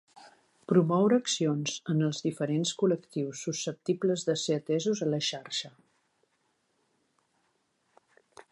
Promoure accions en els diferents col·lectius susceptibles de ser atesos a la xarxa.